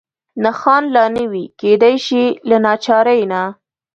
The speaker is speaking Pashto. نښان لا نه وي، کېدای شي له ناچارۍ نه.